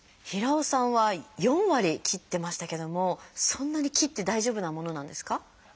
平尾さんは４割切ってましたけどもそんなに切って大丈夫なものなんですか？